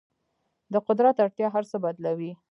د قدرت اړتیا هر څه بدلوي.